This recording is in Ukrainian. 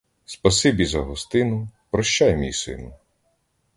Спасибі за гостину, прощай, мій сину!